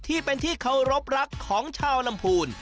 ที่เป็นที่เคารพรักของชาวลำพูน